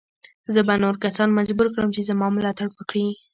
زه به نور کسان مجبور کړم چې زما ملاتړ وکړي.